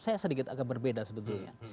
saya sedikit agak berbeda sebetulnya